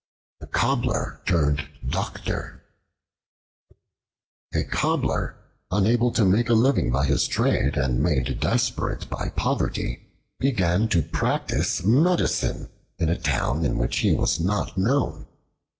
The Cobbler Turned Doctor A COBBLER unable to make a living by his trade and made desperate by poverty, began to practice medicine in a town in which he was not known.